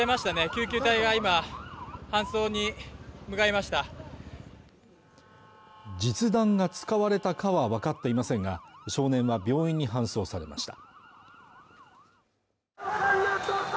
救急隊が今搬送に向かいました実弾が使われたかは分かっていませんが少年は病院に搬送されました